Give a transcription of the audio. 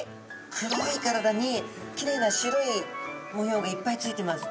黒い体にきれいな白い模様がいっぱいついてます。